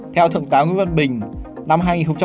theo thượng táo nguyễn văn bình năm hai nghìn hai mươi ba